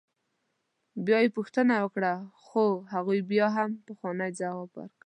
بیا یې پوښتنه وکړه خو هغوی بیا همغه پخوانی ځواب ورکړ.